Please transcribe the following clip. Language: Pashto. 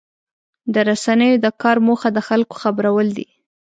د رسنیو د کار موخه د خلکو خبرول دي.